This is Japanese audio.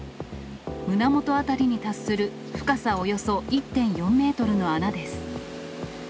胸元辺りに達する深さおよそ１．４メートルの穴です。